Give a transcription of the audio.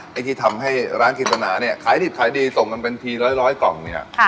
นี่ที่ทำให้ร้านกิตนะขายดิบขายดีส่งกันเป็นที่ร้อยกล่องเนี่ย